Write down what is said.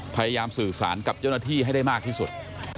พยายามสื่อสารกับเจ้าหน้าที่ให้ได้มากที่สุด